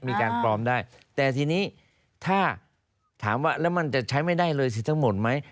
มีการปลอมได้แต่ทีนี้ถ้าถามว่าแล้วมันจะใช้ไม่ได้เลยสิทั้งหมดไหม